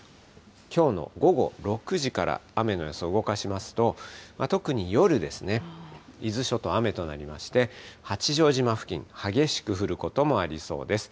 きょうの午後６時から雨の予想、動かしますと、特に夜ですね、伊豆諸島、雨となりまして、八丈島付近、激しく降ることもありそうです。